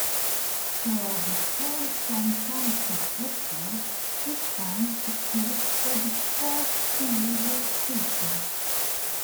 Per the Charlestown Township website, Swiss Pines is closed for the foreseeable future.